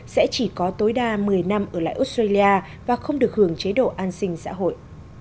sẽ chỉ có tối đa một mươi năm ở lại australia và không được hưởng chế độ an sinh xã hội